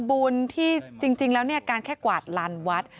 บุญที่จริงแล้วเนี่ยการแค่กวาดลานวัด